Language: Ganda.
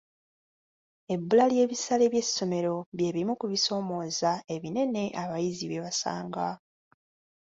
Ebbula ly'ebisale by'essomero by'ebimu ku bisomooza ebinene abayizi bye basanga.